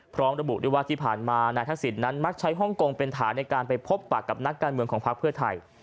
พร้อมระบุด้วยว่าที่ผ่านมานายทักษิณนั้นมักใช้ฮ่องกงเป็นฐานในการไปพบปากกับนักการเมืองของพักเพื่อไทย